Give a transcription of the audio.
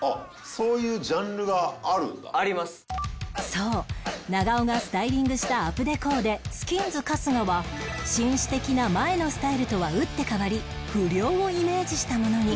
そう長尾がスタイリングしたアプデコーデスキンズ春日は紳士的な前のスタイルとは打って変わり不良をイメージしたものに